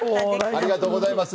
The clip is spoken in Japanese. ありがとうございます。